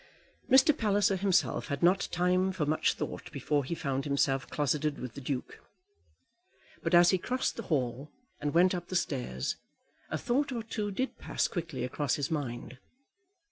Mr. Palliser himself had not time for much thought before he found himself closeted with the Duke; but as he crossed the hall and went up the stairs, a thought or two did pass quickly across his mind.